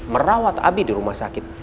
merawat abi di rumah sakit